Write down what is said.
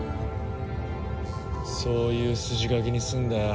そういう筋書きにすんだよ。